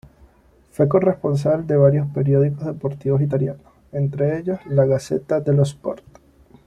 Fue corresponsal de varios periódicos deportivos italianos, entre ellos La Gazzetta dello Sport.